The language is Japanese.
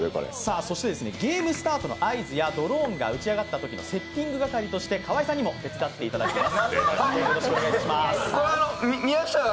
そして、ゲームスタートの合図やドローンが打ち上がったときのセッティング係として河井さんにも手伝っていただきます。